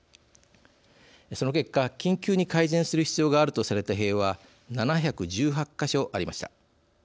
その結果緊急に改善する必要があるとされた塀は７１８か所ありました。